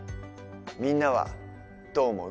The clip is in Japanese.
みんなはどう思う？